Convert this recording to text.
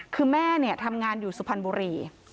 คือแม่ทำงานอยู่สุพรรณบุรี